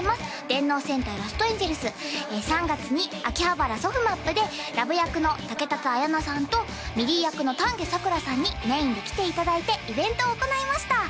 「電脳戦隊ラストエンジェルス」３月に秋葉原ソフマップでラヴ役の竹達彩奈さんとミディ役の丹下桜さんにメインで来ていただいてイベントを行いました